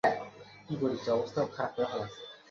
তাকে ঘুমের মধ্যে হত্যা করেছে।